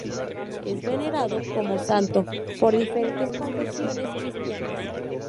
Es venerado como santo por diferentes confesiones cristianas.